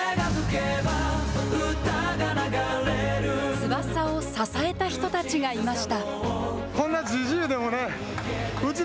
翼を支えた人たちがいました。